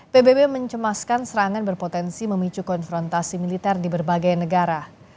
pbb mencemaskan serangan berpotensi memicu konfrontasi militer di berbagai negara